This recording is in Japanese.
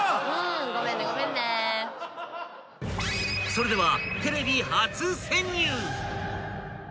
［それでは］